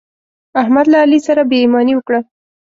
احمد له علي سره بې ايماني وکړه.